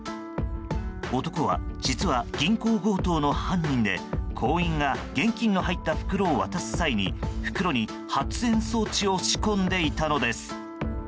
男は、実は銀行強盗の犯人で行員が現金の入った袋を渡す際に袋に発煙装置を仕込んでいたのです。